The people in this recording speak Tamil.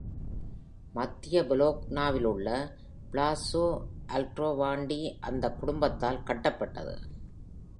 மத்திய பொலோக்னாவிலுள்ள Palazzo Aldrovandi அந்தக் குடும்பத்தால் கட்டப்பட்டது.